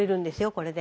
これで。